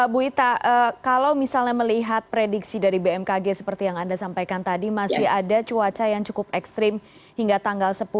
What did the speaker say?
bu ita kalau misalnya melihat prediksi dari bmkg seperti yang anda sampaikan tadi masih ada cuaca yang cukup ekstrim hingga tanggal sepuluh